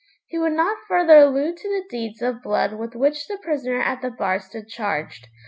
He would not further allude to the deeds of blood with which the prisoner at the bar stood charged.